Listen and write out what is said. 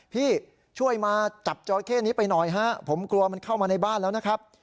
พี่ช่วยมาจับจอเข้นี้ไปหน่อยฮะผมกลัวมันเข้ามาในบ้านแล้วนะครับ